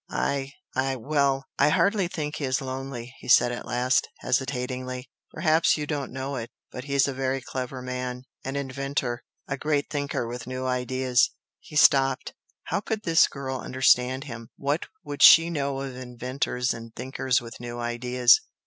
"I I well! I hardly think he is lonely" he said at last, hesitatingly "Perhaps you don't know it but he's a very clever man an inventor a great thinker with new ideas " He stopped. How could this girl understand him? What would she know of "inventors" and "thinkers with new ideas"?